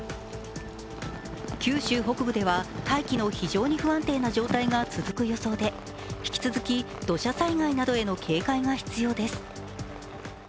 九州北部では大気の非常に不安定な状態が続く予想で引き続き土砂災害などへの警戒が必要です。